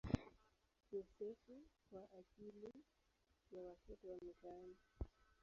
Yosefu" kwa ajili ya watoto wa mitaani.